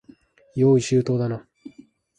用意周到だな。